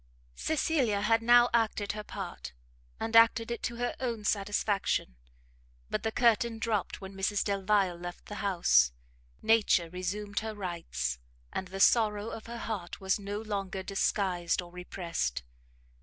Cecilia had now acted her part, and acted it to her own satisfaction; but the curtain dropt when Mrs Delvile left the house, nature resumed her rights, and the sorrow of her heart was no longer disguised or repressed.